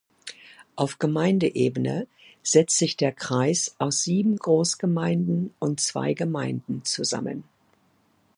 Auf Gemeindeebene setzt sich der Kreis aus sieben Großgemeinden und zwei Gemeinden zusammen.